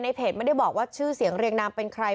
เพจไม่ได้บอกว่าชื่อเสียงเรียงนามเป็นใคร